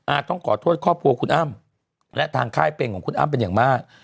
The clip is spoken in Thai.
ต้องขอโทษครอบครัวคุณอ้ำและทางค่ายเป็นของคุณอ้ำเป็นอย่างมาก